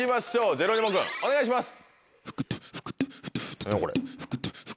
ジェロニモ君お願いします。